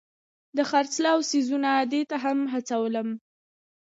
د خرڅلاو څیزونه دې ته هڅولم.